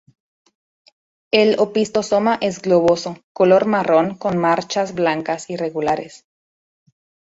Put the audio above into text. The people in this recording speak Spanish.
El opistosoma es globoso, color marrón con marchas blancas irregulares.